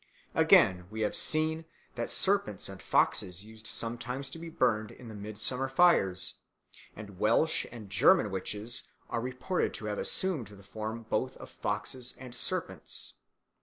Again, we have seen that serpents and foxes used sometimes to be burnt in the midsummer fires; and Welsh and German witches are reported to have assumed the form both of foxes and serpents.